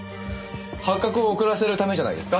発覚を遅らせるためじゃないですか？